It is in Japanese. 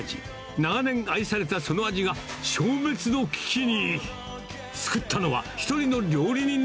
長年愛されたその味が、消滅の危機に。